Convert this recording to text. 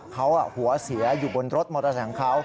เขาหัวเสียอยู่บนรถมอเตอร์ไซค์ของเขา